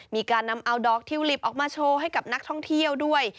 มีการนำเอาดอกทิวลิปออกมาโชว์ให้กับนักท่องเที่ยวด้วย